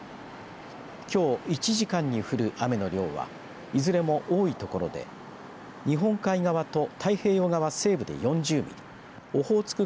きょう１時間に降る雨の量はいずれも多いところで日本海側と太平洋側西部で４０ミリオホーツク